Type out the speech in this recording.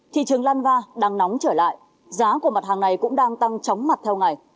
thị trường lanva đang nóng trở lại giá của mặt hàng này cũng đang tăng chóng mặt theo ngày